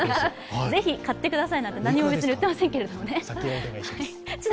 是非買ってください、なんて何も別に売っていませんけどね。